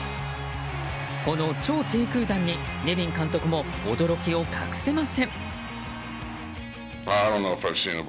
この超低空弾にネビン監督も驚きを隠せません。